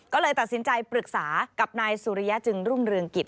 ก็เลยตัดสินใจปรึกษากับนายสุริยะจึงรุ่งเรืองกิจ